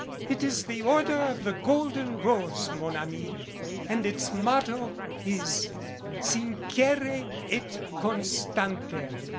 "It is the Order of the Golden Rose, mon ami, and its motto is Sincere et Constanter.